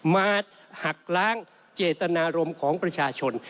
มาหักล้างเจตนารมณ์ของประชาชน